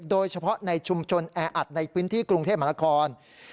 โดยเฉพาะในชุมชนแออัดในพื้นที่กรุงเทพมหานคร